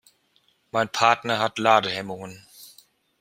Mein Partner hat Ladehemmungen.